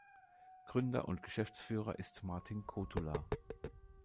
Gründer und Geschäftsführer ist Martin Kotulla.